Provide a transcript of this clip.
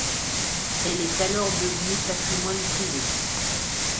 Elle est alors devenue patrimoine privé.